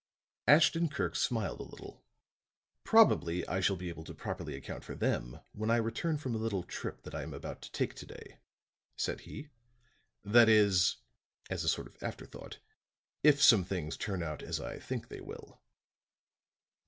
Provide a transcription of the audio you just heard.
Ashton Kirk smiled a little. "Probably I shall be able to properly account for them when I return from a little trip that I am about to take to day," said he. "That is," as a sort of afterthought, "if some things turn out as I think they will."